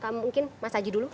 mungkin mas haji dulu